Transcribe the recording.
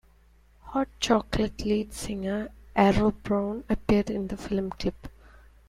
Hot Chocolate lead singer Errol Brown appeared in the film clip.